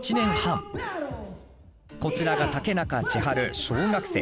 こちらが竹中千遥小学生。